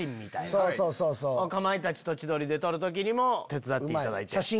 かまいたちと千鳥で撮る時にも手伝っていただいて。